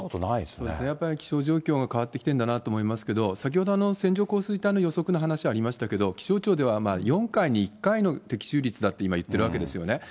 そうですね、やっぱり気象状況が変わってきてるんだなと思いますけど、先ほど、線状降水帯の予測の話ありましたけれども、気象庁では４回に１回の的中率だって今、言っているわけですよね。